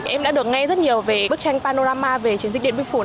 em đã được nghe rất nhiều về bức tranh panorama về chiến dịch điện biên phủ